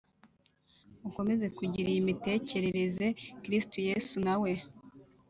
Mukomeze kugira iyi mitekerereze Kristo Yesu na we